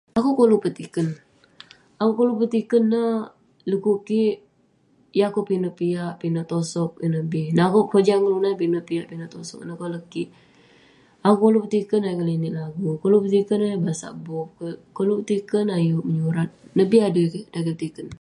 Akouk koluk petiken, akouk petiken neh, dukuk kik..yeng akouk pinek piak, pinek tosog ineh bi..dan akouk pojah ngan kelunan, pinek piak, pinek tosog..ineh koleg kik..akouk koluk petiken ayuk kik ngeninik lagu, koluk petiken ayuk basak bup, koluk petiken ayuk, menyurat..ineh bi adui kik dan kik petiken..